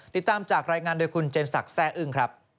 ติดตามจากรายงานคุณเจนสักแซ่อึ้ง